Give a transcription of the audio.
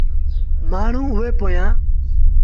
مآڻهوٚݩ ائيٚݩ پيآ۔